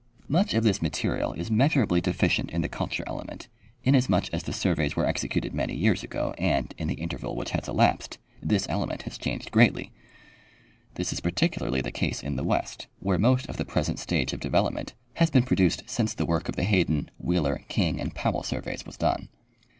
Much of this material is measurably deficient in the culture element, inasmuch as the surveys were executed many years ago and, in the interval Avhich has elapsed, this element has changed greatly. This is particularly the case in the west, where 114 Henry Gannett — Mother Maps of the United States. most of the present stage of development has been produced since the work of the Hayden, Wheeler, Kmg and Powell sur veys was done.